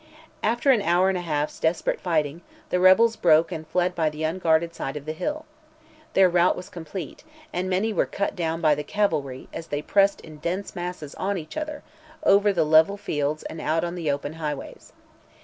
After an hour and a half's desperate fighting, the rebels broke and fled by the unguarded side of the hill. Their rout was complete, and many were cut down by the cavalry, as they pressed in dense masses on each other, over the level fields and out on the open highways.